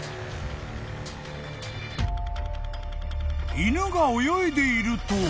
［犬が泳いでいると］